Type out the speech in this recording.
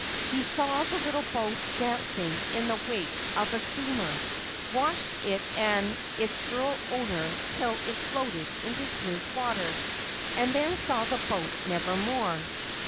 He saw the little boat dancing in the wake of a steamer, watched it and its girl owner till it floated into smooth water, and then saw the boat never more.